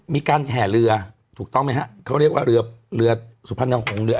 มีการแห่เรือถูกต้องไหมฮะเขาเรียกว่าเรือเรือสุพรรณหงษ์เรือ